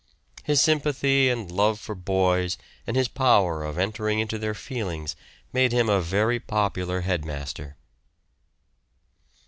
His sympathy and love for boys and his power of entering into their feelings made him a very popular head master.